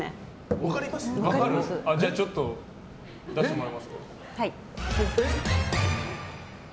じゃあ、ちょっと出してもらえますか？